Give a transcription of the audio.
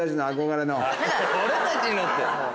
「俺たちの」って。